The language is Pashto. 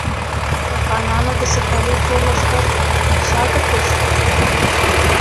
افغانانو د صفوي ټول لښکر شا ته پرېښود.